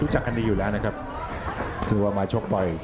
มาชกปล่อยมากนะครับเป็นบางไทย